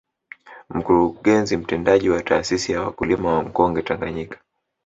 Mkurugenzi Mtendaji wa taasisi ya wakulima wa mkonge Tanganyika